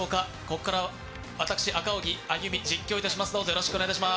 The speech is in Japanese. ここからは私、赤荻歩、実況いたします。